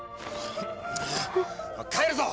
帰るぞ！